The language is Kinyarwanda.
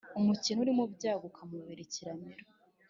umukene uri mu byago ukamubera ikiramiro.